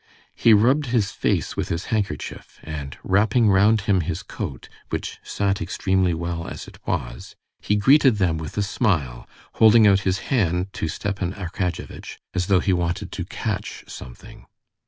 He rubbed his face with his handkerchief, and wrapping round him his coat, which sat extremely well as it was, he greeted them with a smile, holding out his hand to Stepan Arkadyevitch, as though he wanted to catch something.